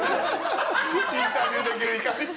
インタビューできるいかめし。